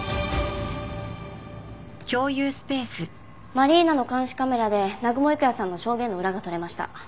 マリーナの監視カメラで南雲郁也さんの証言の裏が取れました。